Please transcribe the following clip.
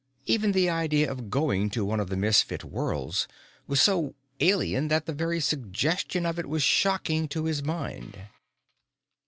Even the idea of going to one of the Misfit Worlds was so alien that the very suggestion of it was shocking to his mind.